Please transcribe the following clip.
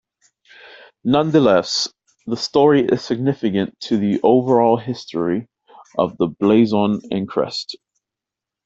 Nonetheless, the story is significant to the over-all history of the blazon and crest.